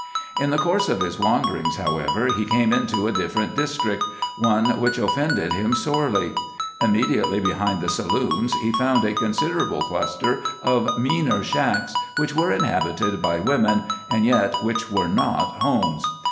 In the course of his wanderings, however, he came into a different district, one which offended him sorely. Immediately behind the saloons he found a considerable cluster of meaner shacks which were inhabited by women and yet which were not homes.